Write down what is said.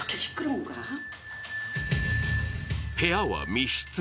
部屋は密室。